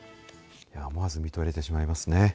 思わず見とれてしまいますね。